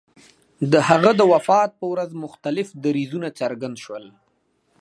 د هغه د وفات په ورځ مختلف دریځونه څرګند شول.